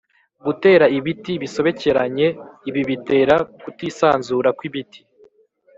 Gutera ibiti bisobekeranye ibi bitera kutisanzura kw’ibiti